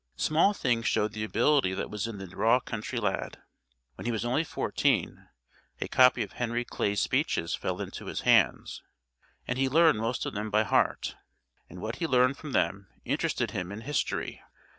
Small things showed the ability that was in the raw country lad. When he was only fourteen a copy of Henry Clay's speeches fell into his hands, and he learned most of them by heart, and what he learned from them interested him in history.